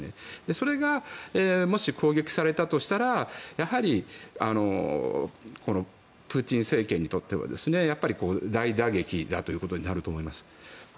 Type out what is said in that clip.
それが、もし攻撃されたとしたらやはりプーチン政権にとっては大打撃ということになると思います。